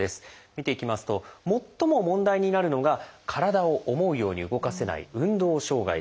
見ていきますと最も問題になるのが体を思うように動かせない「運動障害」です。